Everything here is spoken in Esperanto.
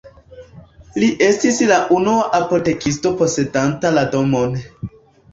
Li estis la unua apotekisto posedanta la domon.